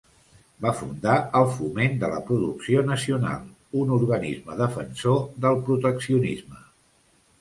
Va fundar el Foment de la Producció Nacional, un organisme defensor del proteccionisme.